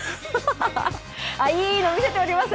いいのを見せております。